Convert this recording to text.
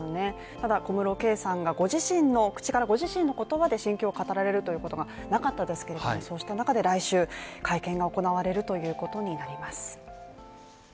ただ小室圭さんがご自身の口からご自身の言葉で心境を語られるということがなかったですけれども、そうした中で来週会見が行われるということになります。